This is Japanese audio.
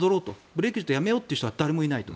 ブレグジットをやめようという人は誰もいないと。